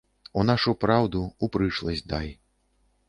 У нашу праўду, у прышласць дай.